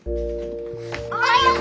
おはよう！